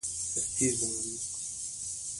دښتې د افغان ماشومانو د زده کړې موضوع ده.